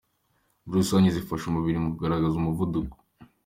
muri rusange zifasha umubiri mu kuringaniza umuvuduko